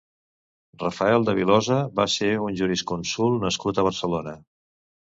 Rafael de Vilosa va ser un jurisconsult nascut a Barcelona.